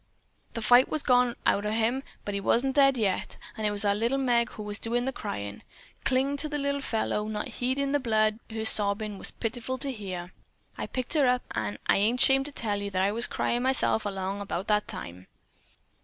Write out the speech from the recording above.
"The fight was gone out o' him, but he wa'n't dead yet. It was our little Meg who was doin' the cryin'. Clingin' to the little fellow, not heedin' the blood, her sobbin' was pitiful to hear. I picked her up, an' I ain't 'shamed to be tellin' you that I was cryin' myself along about that time.